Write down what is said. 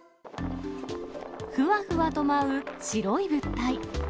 ふわふわと舞う白い物体。